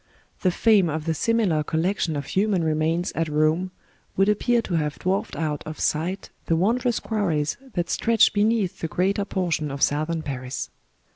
The fame of the similar collection of human remains at Rome would appear to have dwarfed out of sight the wondrous quarries that stretch beneath the greater portion of Southern Paris.